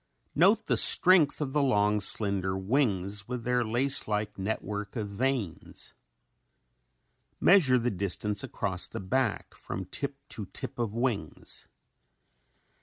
Note the strength of the long, slender wings with their lace like network of veins. Measure the distance across the back from tip to tip of wings.